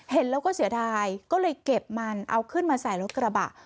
เห็นแล้วก็เสียดายก็เลยเก็บมันเอาขึ้นมาใส่รถกระบะ